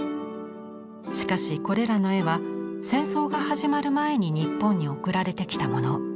しかしこれらの絵は戦争が始まる前に日本に送られてきたもの。